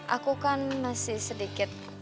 aku kan masih sedikit